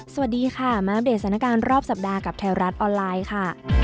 สวัสดีค่ะมาอัปเดตสถานการณ์รอบสัปดาห์กับแถวรัฐออนไลน์ค่ะ